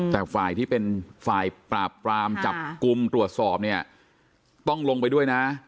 แต่ฝ่ายที่เป็นฝ่ายปราบปรามจับกลุ่มตรวจสอบเนี่ยต้องลงไปด้วยนะ